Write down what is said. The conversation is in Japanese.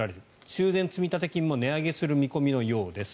修繕積立金も値上げする見込みのようです。